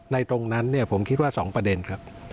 ตรงนั้นเนี่ยผมคิดว่า๒ประเด็นครับ